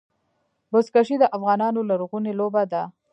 بزکشي د افغانانو لرغونې لوبه ده.